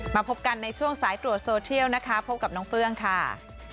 มาพบกันในช่วงสายตรวจโซเทียลนะคะพบกับน้องเฟื้องค่ะ